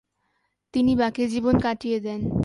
তিনি বাকী জীবন কাটিয়ে দেন।